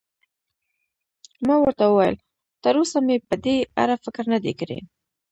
ما ورته وویل: تراوسه مې په دې اړه فکر نه دی کړی.